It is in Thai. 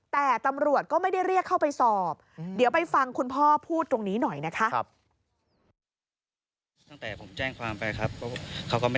แต่ตำรวจก็ไม่ได้เรียกเข้าไปสอบ